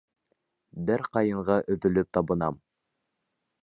Бер ҡайынға өҙөлөп табынам.